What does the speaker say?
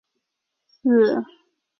拟阿勇蛞蝓科。